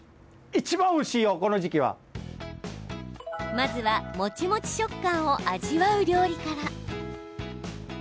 まずは、もちもち食感を味わう料理から。